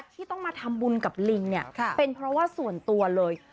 ที่ต้องมาทำบุญกับลิงเนี่ยเป็นเพราะว่าส่วนตัวเลย